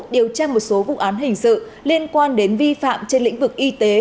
điều tra một số vụ án hình sự liên quan đến vi phạm trên lĩnh vực y tế